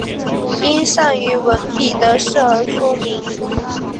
因善于文笔的事而出名。